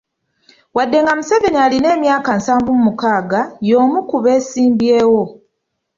Wadde nga Museveni alina emyaka nsavu mu mukaaga, y'omu ku beesimbyewo.